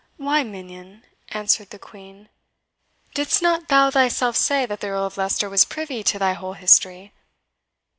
"Why, minion," answered the Queen, "didst not thou thyself say that the Earl of Leicester was privy to thy whole history?"